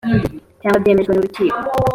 cyangwa byemejwe n urukiko